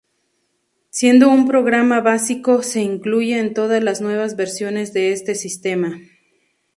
Siendo un programa básico, se incluye en todas las nuevas versiones de este sistema.